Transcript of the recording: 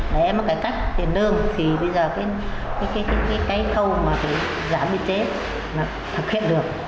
để em có cái cách tiền đương thì bây giờ cái câu mà giảm vị trí thực hiện được